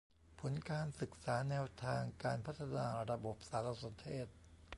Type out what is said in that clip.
ผลการศึกษาแนวทางการพัฒนาระบบสารสนเทศ